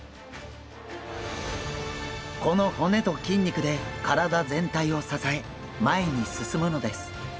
この骨と筋肉で体全体を支え前に進むのです。